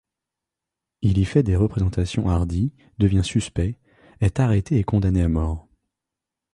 Il y fait des représentations hardies, devient suspect, est arrêté et condamné à mort.